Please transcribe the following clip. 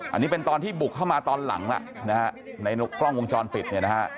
อันนี้เป็นตอนที่บุกเข้ามาตอนหลังแล้วนะฮะในกล้องวงจรปิดเนี่ยนะฮะ